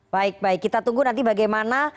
baik baik kita tunggu nanti bagaimana